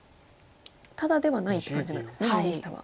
タダではないっていう感じなんですね右下は。